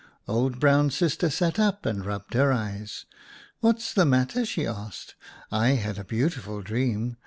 " Old Brown Sister sat up and rubbed her eyes. ' What's the matter ?' she asked. ' I had a beautiful dream.